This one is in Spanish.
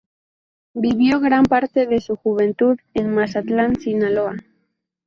Vivió gran parte de su juventud en Mazatlán, Sinaloa.